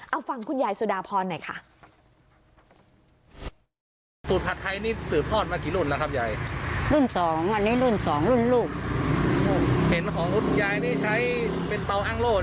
เอาฟังคุณยายสุดาพรหน่อยค่ะ